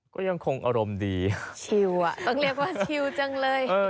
ก็ยังคงอารมณ์ดีชิวอ่ะต้องเรียกว่าชิลจังเลย